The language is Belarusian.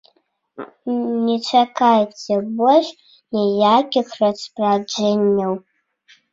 Не чакайце больш ніякіх распараджэнняў.